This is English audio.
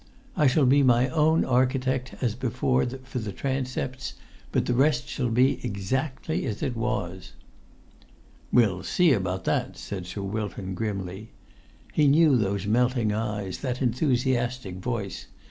I shall be my own architect as before for the transepts, but the rest shall be exactly as it was." "We'll see about that," said Sir Wilton grimly. He knew those melting eyes, that enthusiastic voice.